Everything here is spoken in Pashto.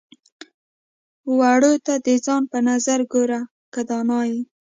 واړو ته د ځان په نظر ګوره که دانا يې.